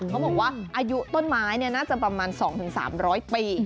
เขาบอกว่าอายุต้นไม้น่าจะประมาณ๒๓๐๐ปี